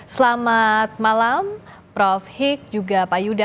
selamat malam prof hik juga pak yuda